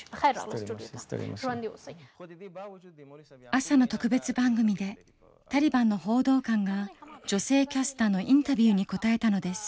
朝の特別番組でタリバンの報道官が女性キャスターのインタビューに答えたのです。